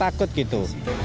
ya sekarang itu